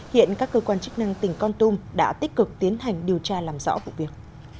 hiện các cơ quan chức năng tỉnh con tum đã tích cực tiến hành điều tra làm rõ vụ việc